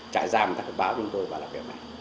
trại giam người ta phải báo chúng tôi và làm việc này